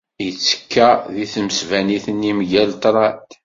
Yettekka deg tmesbanit-nni mgal ṭṭraḍ.